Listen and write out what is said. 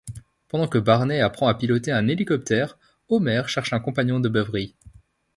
Pendant que Barney apprend à piloter un hélicoptère, Homer cherche un compagnon de beuverie...